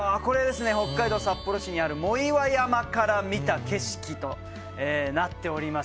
これ北海道札幌市にある藻岩山から見た景色となっております。